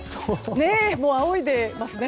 あおいでますね。